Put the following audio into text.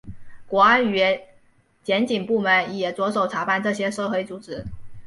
国安与检警部门已着手查办这些涉黑组织。